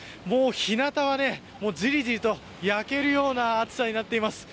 日なたは、じりじりと焼けるような暑さになっています。